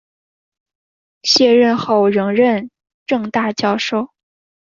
卸任后仍任政大教授。